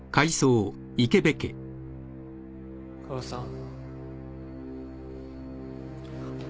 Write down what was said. ・母さん